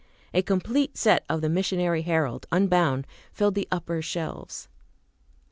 A complete set of the "Missionary Herald", unbound, filled the upper shelves.